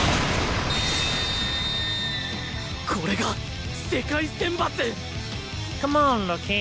これが世界選抜！